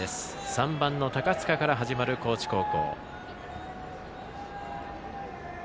３番の高塚から始まる高知高校。